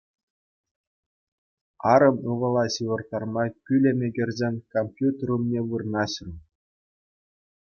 Арӑм ывӑла ҫывӑрттарма пӳлӗме кӗрсен компьютер умне вырнаҫрӑм.